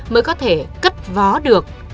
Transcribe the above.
mới có thể cất vó được